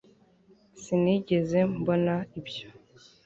sinigeze mbona ibyo